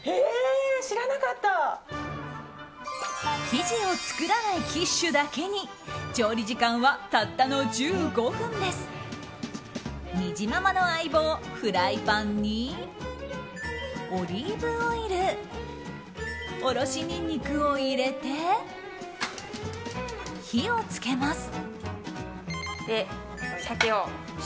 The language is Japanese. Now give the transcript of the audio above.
生地を作らないキッシュだけに調理時間はたったの１５分です。にじままの相棒、フライパンにオリーブオイルおろしニンニクを入れて火をつけます。